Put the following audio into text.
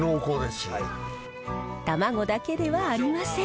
卵だけではありません。